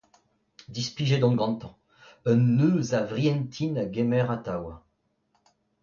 Displijet on gantañ, un neuz a vrientin a gemer atav.